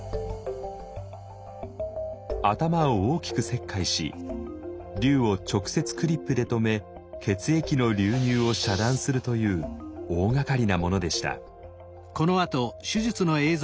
頭を大きく切開し瘤を直接クリップで留め血液の流入を遮断するという大がかりなものでした。